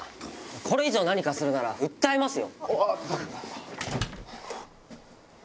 これ以上何かするなら訴えますよ！